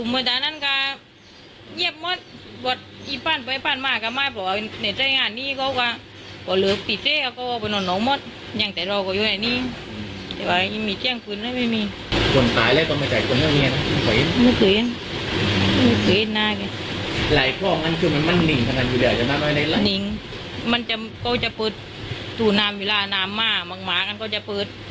มันก็จะเปิดสู่ทุนามเวลานามมาบบางหมายก็จะเปิด